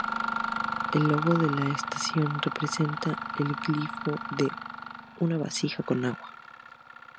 El logo de la estación representa el glifo de una vasija con agua.